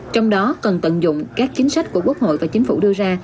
trong đó cần tận dụng các chính sách của quốc hội và chính phủ đưa ra